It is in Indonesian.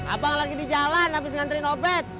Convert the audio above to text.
abang lagi di jalan habis ngantriin obet